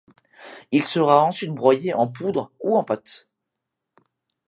Il sera ensuite broyé en poudre ou en pâte.